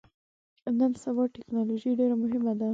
نن سبا ټکنالوژي ډیره مهمه ده